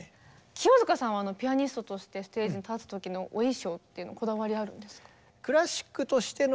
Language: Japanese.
清塚さんはピアニストとしてステージに立つ時のお衣装っていうのはこだわりあるんですか？